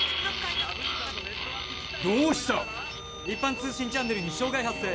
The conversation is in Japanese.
どうした⁉一般通信チャンネルに障害発生！